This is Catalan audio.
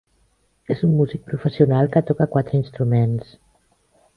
És un músic professional, que toca quatre instruments.